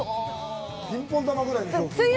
ピンポン玉ぐらいのね。